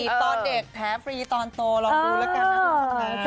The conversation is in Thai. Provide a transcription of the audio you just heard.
สีตอนเด็กแพ้ฟรีตอนโตลองดูแล้วกันนะคุณผู้ชม